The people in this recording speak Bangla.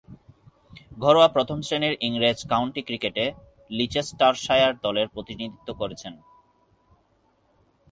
ঘরোয়া প্রথম-শ্রেণীর ইংরেজ কাউন্টি ক্রিকেটে লিচেস্টারশায়ার দলের প্রতিনিধিত্ব করেছেন।